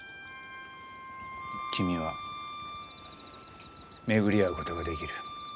君は巡り会うことができる。